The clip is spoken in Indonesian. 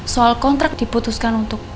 soal kontrak diputuskan untuk